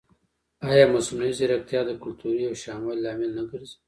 ایا مصنوعي ځیرکتیا د کلتوري یوشان والي لامل نه ګرځي؟